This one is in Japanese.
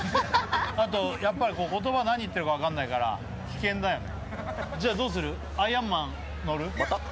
あと、言葉何言っているか分からないから危険だよね。